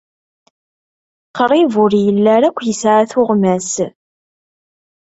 Qrib ur yelli ara akk yesɛa tuɣmas.